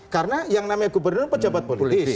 karena yang namanya gubernur pejabat politis